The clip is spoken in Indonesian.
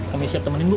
kami siap temanin bu